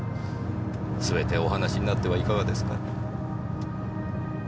すべてお話しになってはいかがですか？